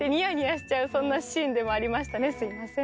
すみません。